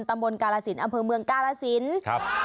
ตำบลกาลสิลอำเภอเมืองกาลสิลปุธิภัณฑ์อำเภอคาวตาลประซุทธิ์